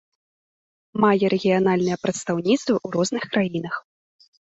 Мае рэгіянальныя прадстаўніцтвы ў розных краінах.